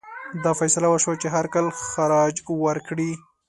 دا فیصله وشوه چې هر کال خراج ورکړي.